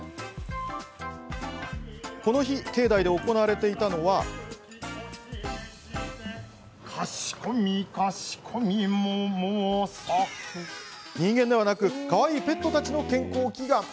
この日境内で行われていたのは人間ではなくかわいいペットたちの健康祈願。